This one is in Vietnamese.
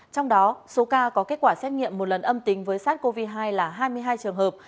trong đó số ca có kết quả xét nghiệm một lần âm tính với sars cov hai là hai mươi hai trường hợp